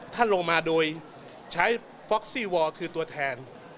ท่านลงมาโดยใช้ฟ็อกซี่วอร์คือตัวแทน